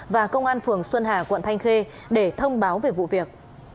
và công an phường xuân hà quận thanh khê để thông báo về vụ việc